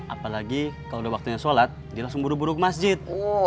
apalagi kalau udah waktunya sholat dia langsung buru buru ke masjid